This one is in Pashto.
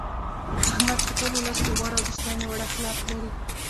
احمد په ټول ولس کې غوره او د ستاینې وړ اخلاق لري.